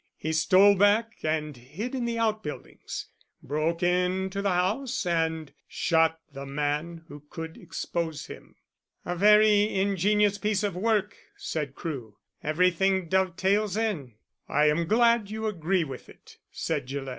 He stole back and hid in the outbuildings, broke into the house, and shot the man who could expose him." "A very ingenious piece of work," said Crewe. "Everything dovetails in." "I am glad you agree with it," said Gillett.